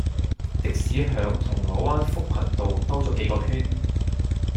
的士喺銅鑼灣福群道兜左幾個圈